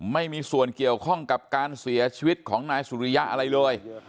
ไม่มีส่วนเกี่ยวข้องกับการเสียชีวิตของนายสุริยะอะไรเลย